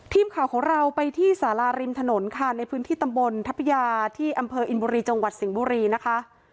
ทีมข่าวของเราไปที่สาราริมถนนค่ะในพื้นที่ตำบลทัพยาที่อำเภออินบุรีจังหวัดสิงห์บุรีนะคะ